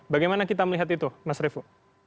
bagaimana kita melihat itu mas revo